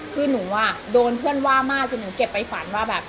คือหนูอ่ะโดนเพื่อนว่ามากจนหนูเก็บไปฝันว่าแบบ